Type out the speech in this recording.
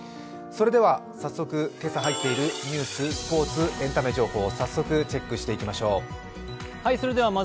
それでは早速、今朝入っているニュース、スポーツ、エンタメ情報、早速チェックしていきましょう。